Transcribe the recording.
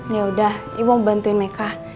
yaudah ibu bantuin meka